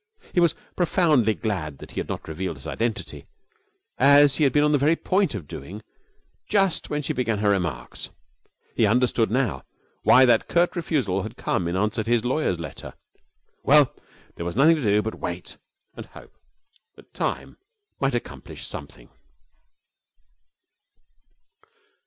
He was profoundly glad that he had not revealed his identity, as he had been on the very point of doing just when she began her remarks. He understood now why that curt refusal had come in answer to his lawyer's letter. Well, there was nothing to do but wait and hope that time might accomplish something.